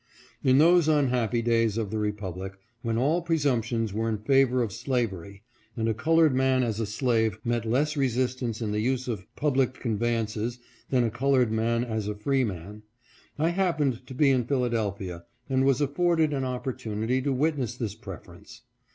In those unhappy days of the Republic, when all pre sumptions were in favor of slavery, and a colored man as a slave met less resistance in the use of public con veyances than a colored man as a freeman, I happened to be in Philadelphia, and was afforded an opportunity to witness this preference.